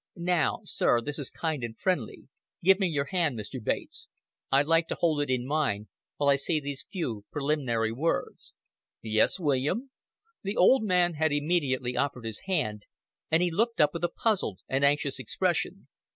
"Now, sir, this is kind and friendly. Give me your hand, Mr. Bates. I'd like to hold it in mine, while I say these few prelim'nary words." "Yes, William?" The old man had immediately offered his hand, and he looked up with a puzzled and anxious expression.